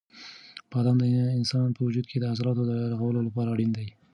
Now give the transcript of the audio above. بادام د انسان په وجود کې د عضلاتو د رغولو لپاره اړین دي.